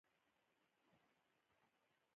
دوی باید د دې خاوندانو تابع واوسي.